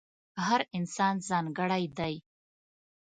هر انسان ځانګړی دی.